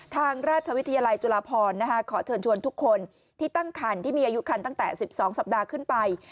ทางราชวิทยาลัยจุฬาพรขอเชิญชวนทุกคนที่ตั้งคันที่มีอายุคันตั้งแต่๑๒สัปดาห์ขึ้นไป